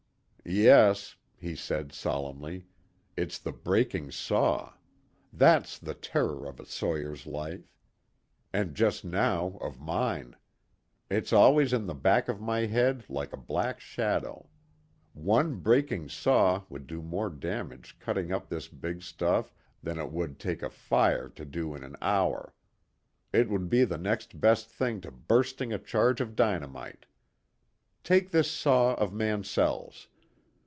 "Yes," he said solemnly. "It's the breaking saw. That's the terror of a sawyer's life. And just now of mine. It's always in the back of my head like a black shadow. One breaking saw would do more damage cutting up this big stuff than it would take a fire to do in an hour. It would be the next best thing to bursting a charge of dynamite. Take this saw of Mansell's.